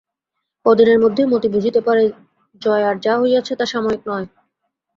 কদিনের মধ্যেই মতি বুঝিতে পারে জয়ার যা হইয়াছে তা সাময়িক নয়।